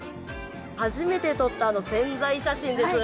初めて撮った宣材写真です